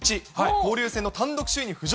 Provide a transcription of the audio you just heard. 交流戦の単独首位に浮上。